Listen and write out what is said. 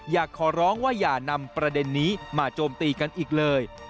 อยากขอร้องว่าอย่านำประเด็นนี้มาโจมตีกันอีกเลย